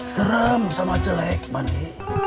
serem sama jelek bandi